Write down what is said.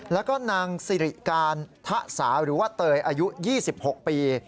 แล้วก็นางสิริการทะสาหรือว่าเตยอายุ๒๖ปี